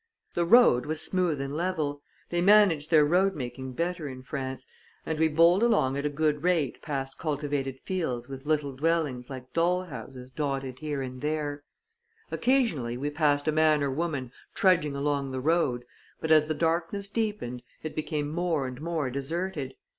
The road was smooth and level they manage their road making better in France and we bowled along at a good rate past cultivated fields with little dwellings like doll houses dotted here and there. Occasionally we passed a man or woman trudging along the road, but as the darkness deepened, it became more and more deserted.